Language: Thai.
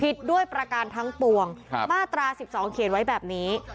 ผิดด้วยประการทั้งปวงมาตรา๑๒เขียนไว้แบบนี้